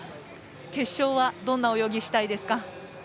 決勝はどんな泳ぎしたいですか。